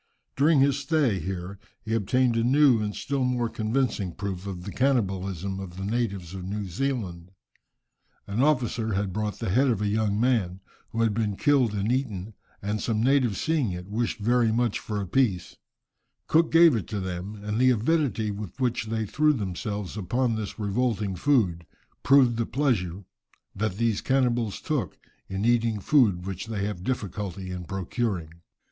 During his stay here he obtained a new and still more convincing proof of the cannibalism of the natives of New Zealand. An officer had bought the head of a young man, who had been killed and eaten, and some natives seeing it, wished very much for a piece, Cook gave it up to them, and the avidity with which they threw themselves upon this revolting food, proved the pleasure that these cannibals took in eating food which they have difficulty in procuring.